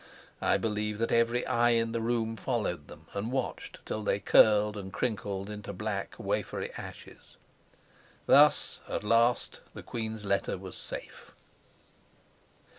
I believe that every eye in the room followed them and watched till they curled and crinkled into black, wafery ashes. Thus, at last the queen's letter was safe.